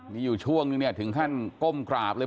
มีอยู่ช่วงนี้ถึงขั้นก้มกลาดเลย